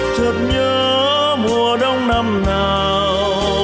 chợt nhớ mùa đông năm nào